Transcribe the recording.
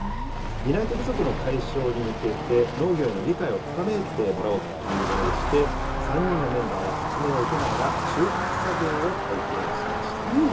担い手不足の解消に向けて、農業への理解を深めてもらおうというものでして、３人のメンバーは説明を受けながら、収穫作業を体験しました。